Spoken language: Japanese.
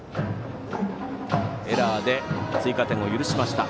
エラーで追加点を許しました。